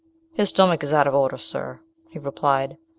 "His stomach is out of order, sir," he replied.